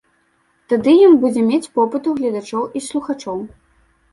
Тады ён будзе мець попыт у гледачоў і слухачоў.